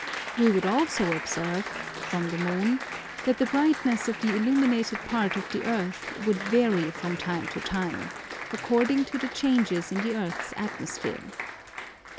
We would also observe (from the moon) that the brightness of the illuminated part of the earth would vary from time to time, according to the changes in the earth's atmosphere.